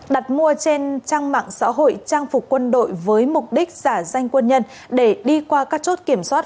đặt mua trên trang mạng xã hội trang phục quân đội với mục đích giả danh quân nhân để đi qua các chốt kiểm soát